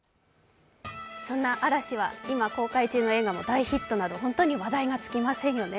そんな嵐は今公開中の映画の大ヒットなどホント話題が尽きませんよね。